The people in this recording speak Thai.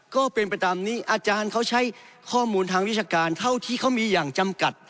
ก็เป็นไปตามนี้อาจารย์เขาใช้ข้อมูลทางวิชาการเท่าที่เขามีอย่างจำกัด